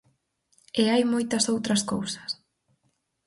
E hai moitas outras cousas.